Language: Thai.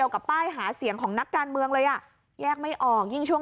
แล้วก็คุณกรอง